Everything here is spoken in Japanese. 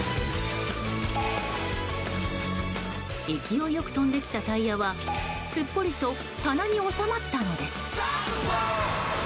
勢いよく飛んできたタイヤはすっぽりと棚に収まったのです。